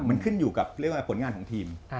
มันขึ้นอยู่กับเรียกว่าผลงานของทีม